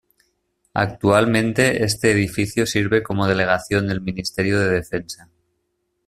Actualmente este edificio sirve como Delegación del Ministerio de Defensa.